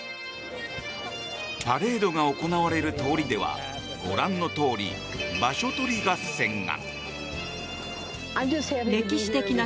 パレードが行われる通りではご覧のとおり場所取り合戦が。